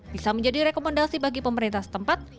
bisa menjadi rekomendasi bagi pemerintah setempat